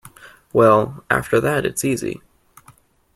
Well, after that it's easy.